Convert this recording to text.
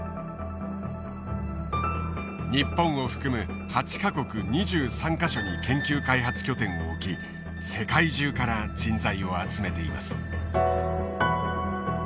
日本を含む８か国２３か所に研究開発拠点を置き世界中から人材を集めています。